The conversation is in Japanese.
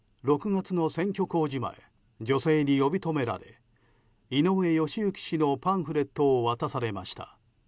６月の選挙公示前女性に呼び止められ井上義行氏のパンフレットを渡されました。